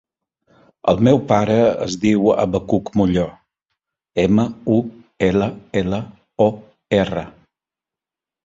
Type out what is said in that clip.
El meu pare es diu Abacuc Mullor: ema, u, ela, ela, o, erra.